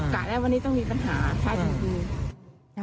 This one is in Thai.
ใกล้วันนี้ต้องมีปัญหาใช่จริง